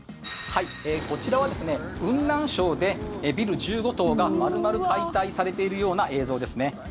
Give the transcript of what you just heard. こちらは雲南省でビル１５棟が丸々解体されているような映像ですね。